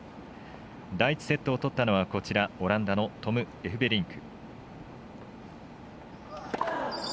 第１セットを取ったのはオランダのトム・エフベリンク。